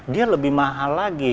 dia lebih mahal lagi